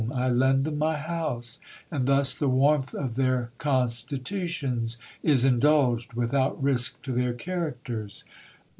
I lend them my house, and thus the warmth of their con stitutions is indulged, without risk to their characters.